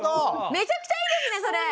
めちゃくちゃいいですねそれ。